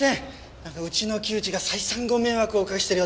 なんかうちの木内が再三ご迷惑をおかけしているようで。